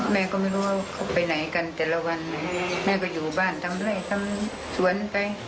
แม่ก็ไม่รู้ว่าเขาไปไหนกันแต่ละวันแม่ก็อยู่บ้านทำด้วยทำสวนไป